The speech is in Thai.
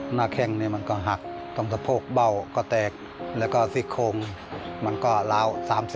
หน้าแข่งนี่มันก็หักต้องสะโพกเบาก็แตกแล้วก็ซิกโครงมันก็ล้าว๓๔